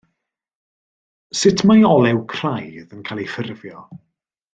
Sut mae olew craidd yn cael ei ffurfio?